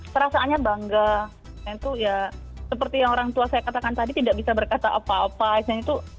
perasaannya bangga itu ya seperti yang orang tua saya katakan tadi tidak bisa berkata apa apa